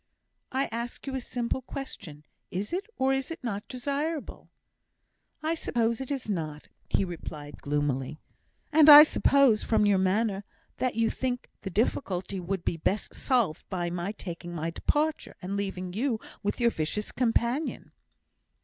"I ask you a simple question; is it, or is it not desirable?" "I suppose it is not," he replied, gloomily. "And I suppose, from your manner, that you think the difficulty would be best solved by my taking my departure, and leaving you with your vicious companion?"